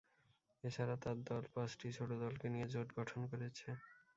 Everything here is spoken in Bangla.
এ ছাড়া তার দল পাঁচটি ছোট দলকে নিয়ে জোট গঠন করেছে।